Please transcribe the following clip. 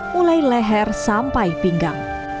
mulai leher sampai pinggang